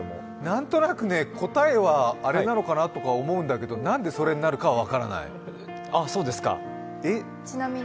何となく答えはあれなのかな？とか思うんだけど、なんでそれになるかは分からない。